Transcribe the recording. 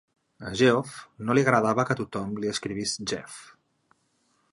A Geoff no li agradava que tothom li escrivís Jeff.